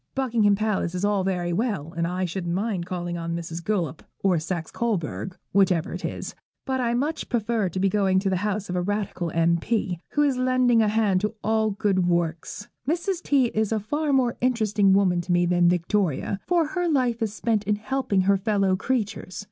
Buckingham Palace is all very well, and I shouldn't mind calling on Mrs. Guelph, or Saxe Coburg, whichever it is, but I much prefer to be going to the house of a Radical M.P., who is lending a hand to all good works. Mrs. T. is a far more interesting woman to me than Victoria, for her life is spent in helping her fellow creatures.